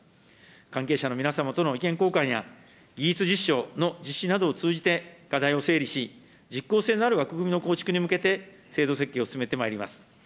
関係者の皆様との意見交換や、技術実証の実施などを通じて、課題を整理し、実効性のある枠組みの構築に向けて、制度設計を進めてまいります。